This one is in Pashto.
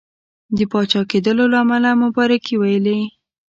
د پاچا کېدلو له امله مبارکي ویلې.